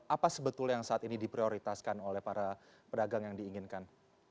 apa sebetulnya yang saat ini diprioritaskan oleh para pedagang yang diinginkan